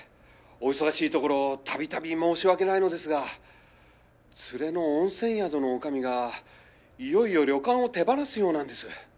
お忙しいところたびたび申し訳ないのですがツレの温泉宿の女将がいよいよ旅館を手放すようなんです。